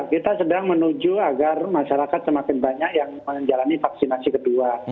kita sedang menuju agar masyarakat semakin banyak yang menjalani vaksinasi kedua